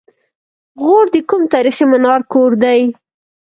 غور د کوم تاریخي منار کور دی؟